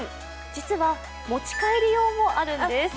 実は、持ち帰り用もあるんです。